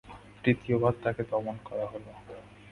তৃতীয়বার তাকে দমন করা হল।